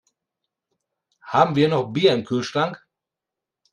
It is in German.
Haben wir noch Bier im Kühlschrank?